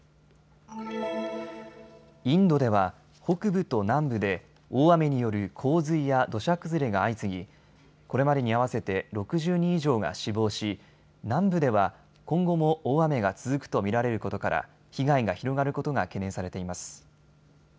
インドでは北部と南部で大雨による洪水や土砂崩れが相次ぎこれまでに合わせて６０人以上が死亡し南部では今後も大雨が続くと見られることから被害が広がることが懸念されています。